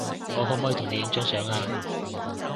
我可唔可以同你影張相呀